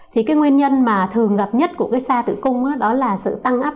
thì cái nguyên nhân mà thường gặp nhất của cái sa tử cung đó là sự tăng ấp